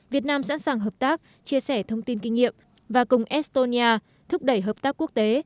việt nam sẵn sàng hợp tác chia sẻ thông tin kinh nghiệm và cùng estonia thúc đẩy hợp tác quốc tế